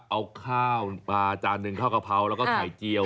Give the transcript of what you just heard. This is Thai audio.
เอาข้าวมาจานหนึ่งข้าวกะเพราแล้วก็ไข่เจียว